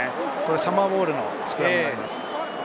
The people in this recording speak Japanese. サモアボールのスクラムになります。